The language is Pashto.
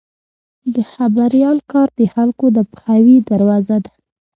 د خبریال کار د خلکو د پوهاوي دروازه ده.